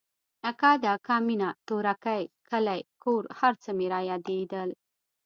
اکا د اکا مينه تورکى کلى کور هرڅه مې رايادېدل.